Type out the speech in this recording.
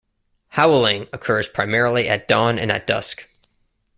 Howling occurs primarily at dawn and at dusk.